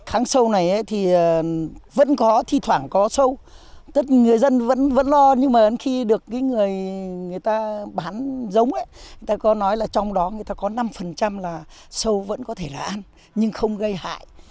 kháng sâu này thì vẫn có thi thoảng có sâu tất cả người dân vẫn lo nhưng mà khi được người ta bán giống ấy người ta có nói là trong đó người ta có năm là sâu vẫn có thể là ăn nhưng không gây hại